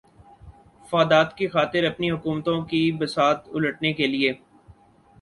فادات کی خاطر اپنی حکومتوں کی بساط الٹنے کیلئے